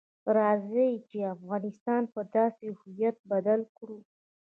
راځئ چې افغانستان په داسې هویت بدل کړو.